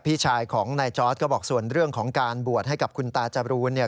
พี่ชายของนายจอร์ดก็บอกส่วนเรื่องของการบวชให้กับคุณตาจรูนเนี่ย